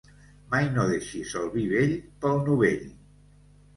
Mai no deixis el vi vell pel novell.